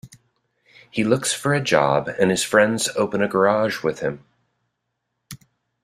He looks for a job and his friends open a garage with him.